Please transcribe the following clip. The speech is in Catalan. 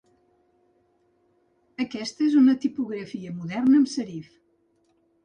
Aquesta és una tipografia Moderna amb Serif.